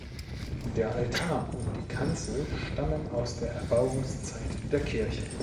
Der Altar und die Kanzel stammen aus der Erbauungszeit der Kirche.